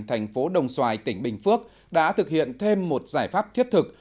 thành phố đồng xoài tỉnh bình phước đã thực hiện thêm một giải pháp thiết thực